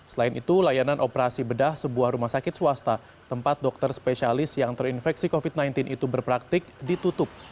selain itu layanan operasi bedah sebuah rumah sakit swasta tempat dokter spesialis yang terinfeksi covid sembilan belas itu berpraktik ditutup